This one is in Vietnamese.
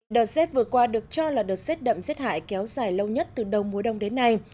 đợt xét vừa qua được cho là đợt xét đậm xét hại kéo dài lâu nhất từ đầu mùa đông đến nay